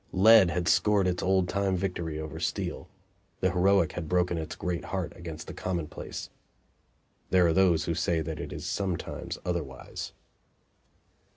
Lead had scored its old time victory over steel; the heroic had broken its great heart against the commonplace. There are those who say that it is sometimes otherwise.